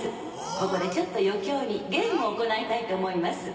ここでちょっと余興にゲームを行いたいと思います。